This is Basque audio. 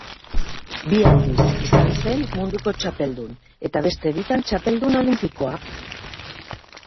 Bi aldiz izan zen munduko txapeldun eta beste bitan txapeldun olinpikoa.